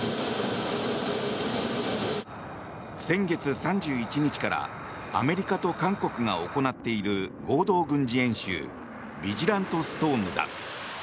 先月３１日からアメリカと韓国が行っている合同軍事演習ビジラントストームだ。